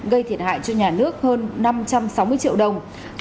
gây thiệt hại cho nhà nước hơn